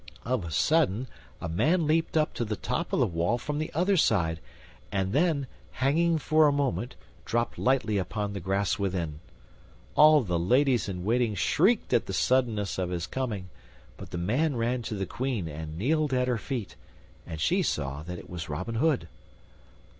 Of a sudden a man leaped up to the top of the wall from the other side, and then, hanging for a moment, dropped lightly upon the grass within. All the ladies in waiting shrieked at the suddenness of his coming, but the man ran to the Queen and kneeled at her feet, and she saw that it was Robin Hood.